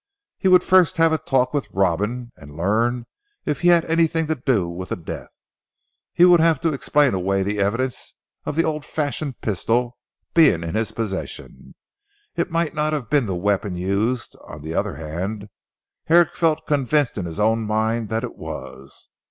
He would first have a talk with Robin and learn if he had anything to do with the death. He would have to explain away the evidence of the old fashioned pistol being in his possession. It might not have been the weapon used; on the other hand, Herrick felt convinced in his own mind that it was.